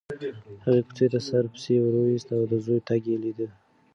هغې کوڅې ته سر پسې وروایست او د زوی تګ یې لیده.